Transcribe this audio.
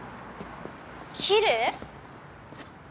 「きれい」！？